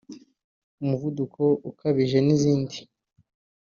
umuvuduko ukabije n’izindi”